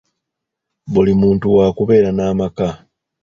Buli muntu wa kubeera n’amaka.